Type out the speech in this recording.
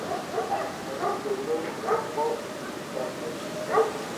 غریب د زړه خوږ احساس لري